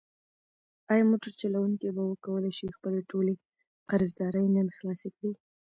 ایا موټر چلونکی به وکولی شي چې خپلې ټولې قرضدارۍ نن خلاصې کړي؟